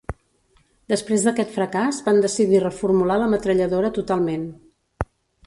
Després d'aquest fracàs van decidir reformular la metralladora totalment.